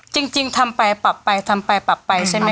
จริงทำไปปรับไปใช่มั้ยคะ